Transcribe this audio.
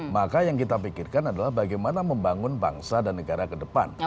maka yang kita pikirkan adalah bagaimana membangun bangsa dan negara ke depan